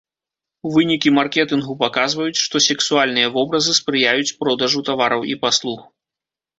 Вынікі маркетынгу паказваюць, што сексуальныя вобразы спрыяюць продажу тавараў і паслуг.